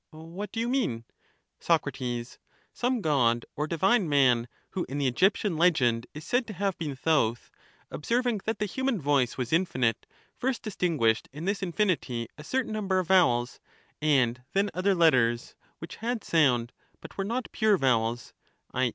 Pro. What do you mean ? An iiiustra Soc. Some god or divine man, who in the Egyptian legend ^^j^ is said to have been Theuth, observing that the human voice taken firom • was infinite, first distinguished in this infinity a certain num srammar. ber of vowels, and then other letters which had sound, but were not pure vowels (i.